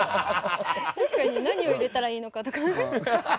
確かに何を入れたらいいのか？とか。